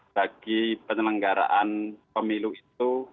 bagi penelenggaraan pemilu itu